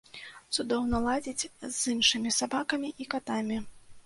Цудоўна ладзіць з іншымі сабакамі і катамі.